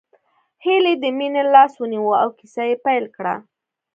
هيلې د مينې لاس ونيو او کيسه يې پيل کړه